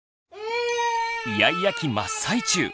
イヤイヤ期真っ最中。